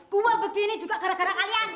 gua begini juga gara gara kalian